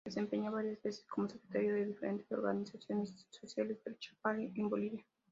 Se desempeñó varias veces como secretario de diferentes organizaciones sociales del Chapare en Bolivia.